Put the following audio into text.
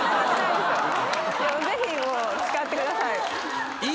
ぜひ使ってください。